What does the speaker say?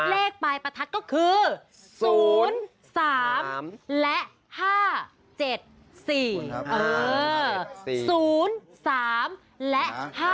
เลขปลายประทัดก็คือ๐๓๕๗๔